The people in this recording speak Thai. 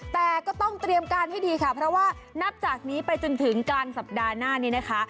แต่ก็ต้องเตรียมการให้ดีค่ะเพราะว่านับจากนี้ไปจนถึงกลางสัปดาห์หน้านี้นะคะ